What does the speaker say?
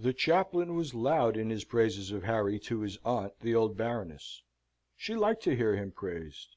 The chaplain was loud in his praises of Harry to his aunt, the old Baroness. She liked to hear him praised.